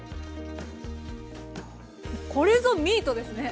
これぞミートですね！